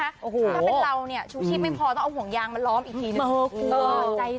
คือถ้าเป็นเราเนี่ยชูชีพไม่พอต้องเอาห่วงยางมาล้อมอีกทีหนึ่ง